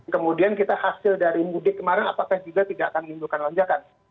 kemudian kita hasil dari mudik kemarin apakah juga tidak akan menimbulkan lonjakan